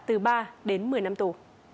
từ ba đến một mươi năm tù